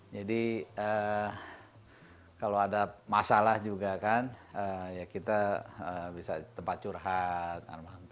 jadi kalau ada masalah juga kan kita bisa tempat curhat